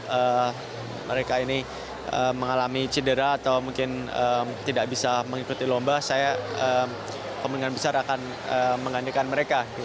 kalau mereka ini mengalami cedera atau mungkin tidak bisa mengikuti lomba saya kemungkinan besar akan menggantikan mereka